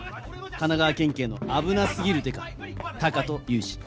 神奈川県警のあぶなすぎる刑事タカとユージ。